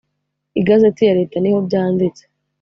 igazeti ya leta nihobyanditse.